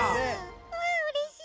うわうれしい！